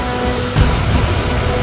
kau tak bisa menyembuhkan